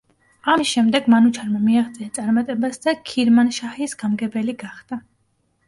ამის შემდეგ მანუჩარმა მიაღწია წარმატებას და ქირმანშაჰის გამგებელი გახდა.